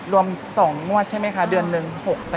รวมสองมวชชะไหมคะเดือนนึง๖แสน